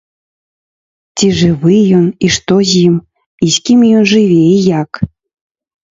Ці жывы ён, і што з ім, і з кім ён жыве, і як.